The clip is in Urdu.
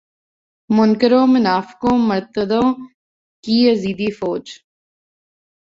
منکروں منافقوں مرتدوں کی یزیدی فوج